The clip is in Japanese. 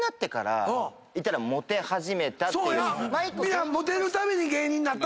皆モテるために芸人になったという。